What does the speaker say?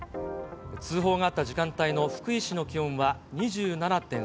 通報があった時間帯の福井市の気温は２７．３度。